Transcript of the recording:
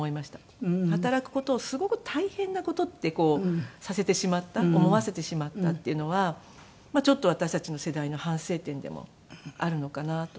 働く事をすごく大変な事ってさせてしまった思わせてしまったっていうのはちょっと私たちの世代の反省点でもあるのかなと思います。